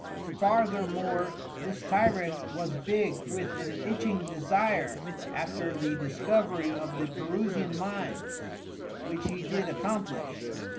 Farthermore this Tyrant was big with an itching desire after the discovery of the Perusian Mines, which he did accomplish.